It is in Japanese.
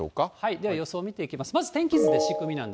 では予想見ていきます。